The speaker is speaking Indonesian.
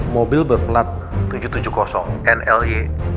mobil berplat tujuh ratus tujuh puluh nly